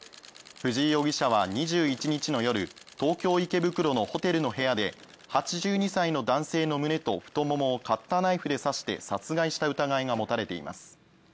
藤井容疑者は２１日の夜東京・池袋のホテルの部屋で８２歳の男性の胸と太ももをカッターナイフで刺して殺害した疑いが持たれています。